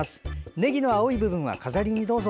ねぎの青い部分は飾りにどうぞ。